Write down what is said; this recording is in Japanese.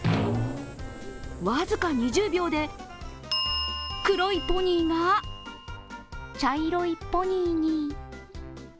僅か２０秒で黒いポニーが茶色いポニーに。